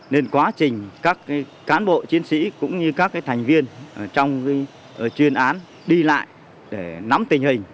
nên quá trình các cán bộ chiến sĩ cũng như các thành viên trong chuyên án đi lại để nắm tình hình